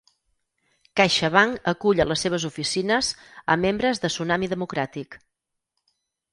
CaixaBank acull a les seves oficines a membres de Tsunami Democràtic